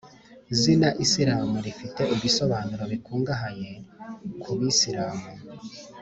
zina isilamu rifite ibisobanuro bikungahaye ku bisilamu,